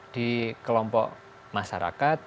di kelompok masyarakat